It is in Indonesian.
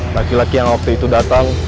laki laki yang waktu itu datang